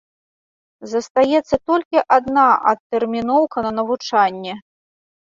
Застаецца толькі адна адтэрміноўка на навучанне.